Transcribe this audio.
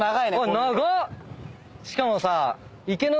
しかもさ。